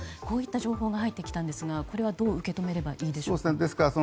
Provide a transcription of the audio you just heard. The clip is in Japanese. こういった情報が入ってきたんですがこれはどう受け止めればいいですか。